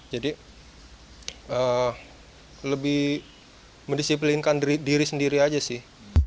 jadi lebih mendisiplinkan diri sendiri aja sih